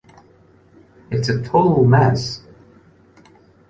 It's a total mess.